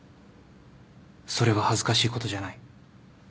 それは恥ずかしいことじゃない。